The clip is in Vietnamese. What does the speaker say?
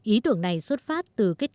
ý tưởng này xuất phát từ kết cấu